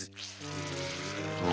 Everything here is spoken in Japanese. あ。